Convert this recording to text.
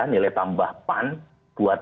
nilai tambah pan buat